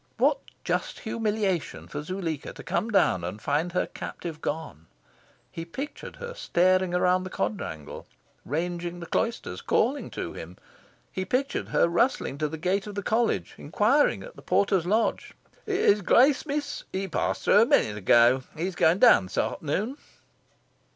What just humiliation for Zuleika to come down and find her captive gone! He pictured her staring around the quadrangle, ranging the cloisters, calling to him. He pictured her rustling to the gate of the College, inquiring at the porter's lodge. "His Grace, Miss, he passed through a minute ago. He's going down this afternoon."